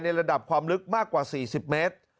ระดับความลึกมากกว่า๔๐เมตร